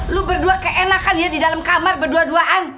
lu berdua keenakan ya di dalam kamar berdua duaan